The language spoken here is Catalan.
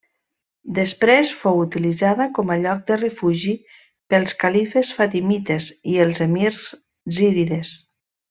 Després fou utilitzada com a lloc de refugi pels califes fatimites i els emirs zírides.